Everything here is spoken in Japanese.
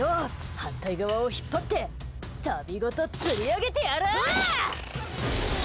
反対側を引っ張ってタビごと、つり上げてやる！